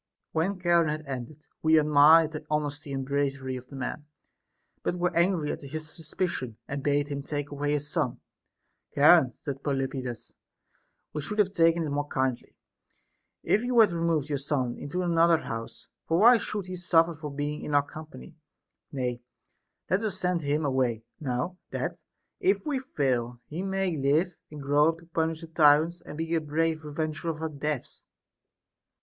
When Charon had ended, we admired the honesty and bravery of the man, but were angry at his suspicion, and bade him take away his son. Charon, said Pelopidas, we should have taken it more kindly, if you had removed your son into another house, for why should he suifer for being in our company \ Nay, let us send him away now, that, SOCRATES'S DAEMON. 417 if we fall, he may live, and grow up to punish the tyrants and be a brave revenger of our deaths.